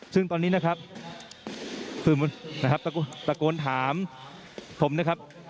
ซึ่งตอนนี้นะครับสื่อมวลชนนะครับตะโกนถามผมนะครับ